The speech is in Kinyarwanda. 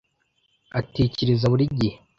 atekereza buri gihe